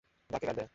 দাগ কে কাটবে?